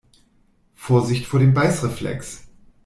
Vorsicht vor dem Beißreflex!